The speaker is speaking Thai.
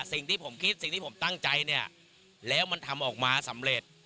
สิ่งที่ผมคิดสิ่งที่ผมตั้งใจเนี่ยแล้วมันทำออกมาสำเร็จ